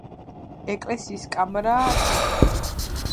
ეკლესიის კამარა ცილინდრულია.